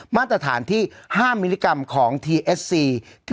มาตรฐานที่๕มิลลิกรัมของทีเอสซี